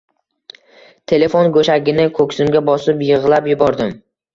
Telefon go`shagini ko`ksimga bosib yig`lab yubordim